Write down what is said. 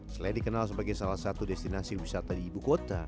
selain dikenal sebagai salah satu destinasi wisata di ibu kota